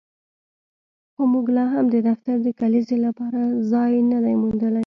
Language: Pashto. خو موږ لاهم د دفتر د کلیزې لپاره ځای نه دی موندلی